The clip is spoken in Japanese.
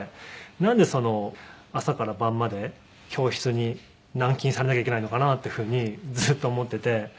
なんで朝から晩まで教室に軟禁されなきゃいけないのかなっていうふうにずっと思ってて。